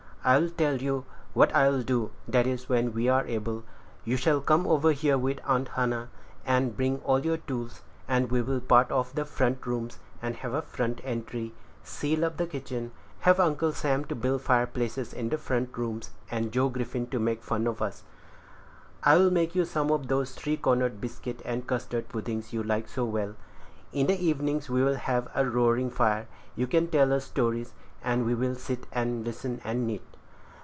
I'll tell you what we'll do (that is, when we are able); you shall come over here with Aunt Hannah, and bring all your tools, and we'll part off the front rooms, and have a front entry, ceil up the kitchen, have Uncle Sam to build fireplaces in the front rooms, and Joe Griffin to make fun for us. I'll make you some of those three cornered biscuit and custard puddings you like so well. In the evenings we'll have a roaring fire; you can tell stories, and we will sit and listen, and knit.